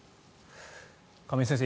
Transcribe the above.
亀井先生